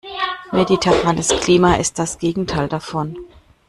Mediterranes Klima ist das Gegenteil davon.